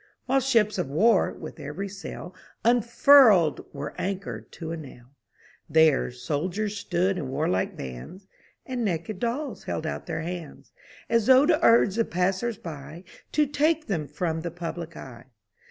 While ships of war, with every sail Unfurled, were anchored to a nail; There soldiers stood in warlike bands; And naked dolls held out their hands, As though to urge the passers by To take them from the public eye.